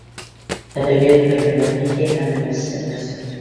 ئەدەبىيات بىر مىللەتنىڭكى ھەممە نەرسىسى ئەمەس.